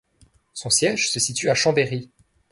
Son siège se situe à Chambéry.